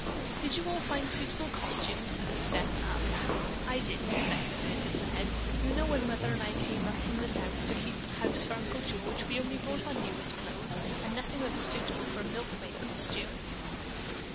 "Did you all find suitable costumes?" the hostess asked. "I didn't," Betty Byrd declared. "You know when Mother and I came up from the South to keep house for Uncle George, we only brought our newest clothes, and nothing that was suitable for a milkmaid costume.